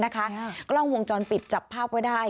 กล้องวงจรปิดจับภาพไว้ได้